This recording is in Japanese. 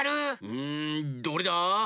うんどれだ？